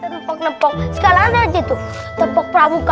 terpuk nepok sekarang aja tuh tepuk pramuka